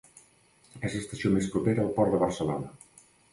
És l'estació més propera al Port de Barcelona.